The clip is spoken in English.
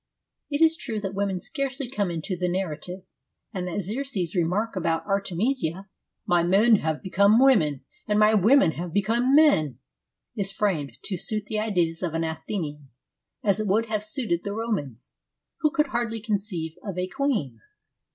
It is true that women scarcely come into the narrative, and that Xerxes' remark about Artemisia, ' My men have become women and my women have become men/ is framed to suit the ideas of an Athen ian, as it would have suited the Romans, who could hardly conceive of a Queen.